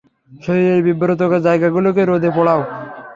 শরীরের বিব্রতকর জায়গাগুলোকে রোদে পোড়াও।